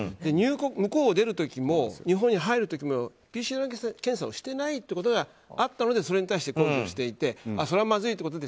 向こうを出る時も日本に入る時もＰＣＲ検査をしていないことがあってそれに対してそれは、まずいということで